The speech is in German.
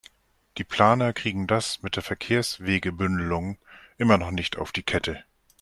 Die Planer kriegen das mit der Verkehrswegebündelung immer noch nicht auf die Kette.